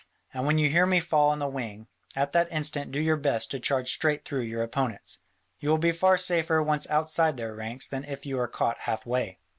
And when you hear me fall on the wing, at that instant do your best to charge straight through your opponents; you will be far safer once outside their ranks than if you are caught half way."